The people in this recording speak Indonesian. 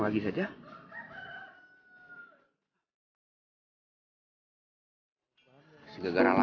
saya aja yang samberin dia